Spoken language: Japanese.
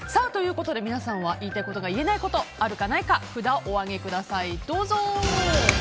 皆さんは言いたいことが言えないこと、あるかないか札をお上げください。